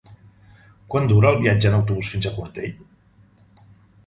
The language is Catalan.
Quant dura el viatge en autobús fins a Quartell?